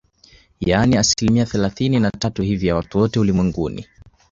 Yaani asilimia thelathini na tatu hivi ya watu wote ulimwenguni